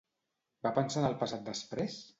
Va pensar en el passat després?